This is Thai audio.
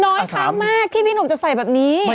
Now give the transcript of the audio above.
น้อยครั้งมากที่พี่หนุ่มจะใส่แบบนี้